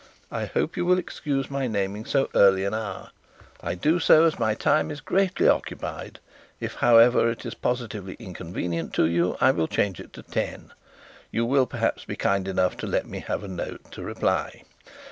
I hope you will excuse my naming so early an hour. I do so as my time is greatly occupied. If, however, it is positively inconvenient to you, I will change it to 10. You will, perhaps, be kind enough to give me a note in reply.